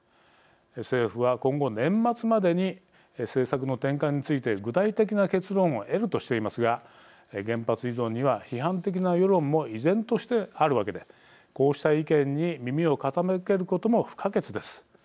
政府は今後、年末までに政策の転換について具体的な結論を得るとしていますが原発依存には批判的な世論も依然としてあるわけでこうした意見に耳を傾けることも不可欠です。